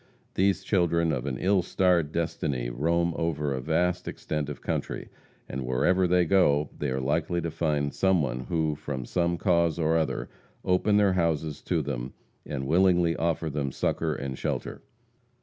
These children of an ill starred destiny roam over a vast extent of country. And wherever they go, they are likely to find some one who, from some cause or other, open their houses to them and willingly afford them succor and shelter.